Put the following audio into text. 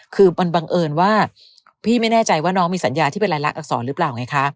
คือมันบังเอิญว่าพี่ไม่แน่ใจว่าน้องมีสัญญาที่เป็นรายละอักษรหรือเปล่าไงคะ